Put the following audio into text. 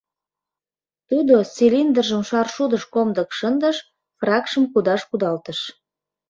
Тудо цилиндржым шаршудыш комдык шындыш, фракшым кудаш кудалтыш...